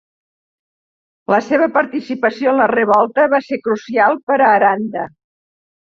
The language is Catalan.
La seva participació en la revolta va ser crucial per a Aranda.